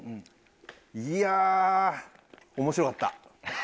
いやあ面白かった。